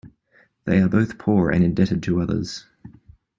They are both poor and indebted to others.